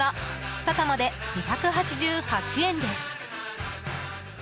２玉で２８８円です。